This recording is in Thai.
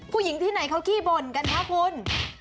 ผู้หญิงที่ไหนเขาขี้บ่นกันคะคุณ